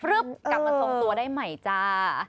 กลับมาทรงตัวได้ใหม่จ้า